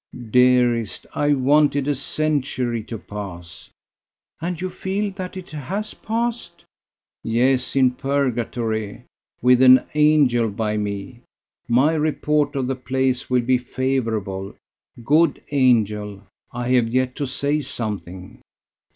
"Dearest, I wanted a century to pass." "And you feel that it has passed?" "Yes; in Purgatory with an angel by me. My report of the place will be favourable. Good angel, I have yet to say something."